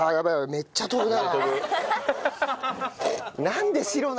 めっちゃ飛ぶな。